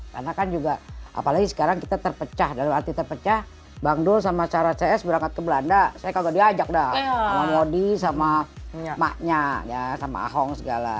karena kan juga apalagi sekarang kita terpecah dalam arti terpecah bang dul sama cara cs berangkat ke belanda saya kagak diajak dah sama wody sama maknya sama ahong segala